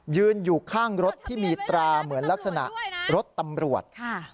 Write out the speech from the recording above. ยืนอยู่ข้างรถที่มีตราเหมือนลักษณะรถตำรวจ